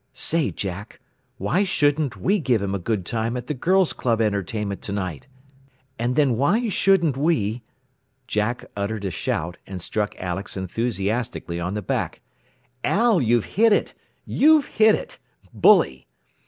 Say, Jack, why shouldn't he give him a good time at the Girls' Club entertainment to night? And then why shouldn't we " Jack uttered a shout, and struck Alex enthusiastically on the back. "Al, you've hit it! You've hit it! Bully!